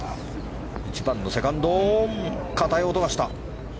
１番のセカンド硬い音がした。